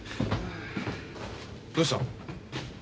どうしたの？